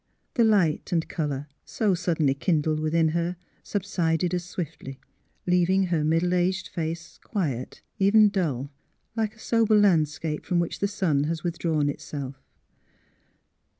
The light and colour, so suddenly kindled within her, subsided as swiftly, leaving her middle aged face quiet, even dull, like a sober landscape from which the sun has with drawn itself.